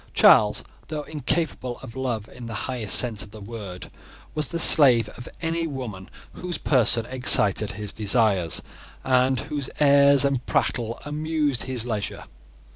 Charles, though incapable of love in the highest sense of the word, was the slave of any woman whose person excited his desires, and whose airs and prattle amused his leisure.